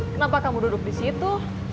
kenapa kamu duduk disitu